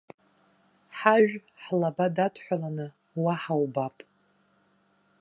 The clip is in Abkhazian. Ҳажә ҳлаба дадҳәаланы уа ҳаубап.